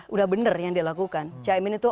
udah bener yang dilakukan caimin itu